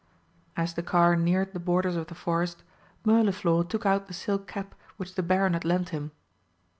As the car neared the borders of the forest, Mirliflor took out the silk cap which the Baron had lent him.